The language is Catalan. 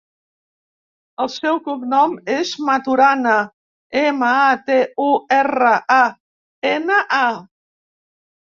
El seu cognom és Maturana: ema, a, te, u, erra, a, ena, a.